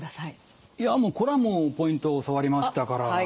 いやこれはもうポイントを教わりましたから。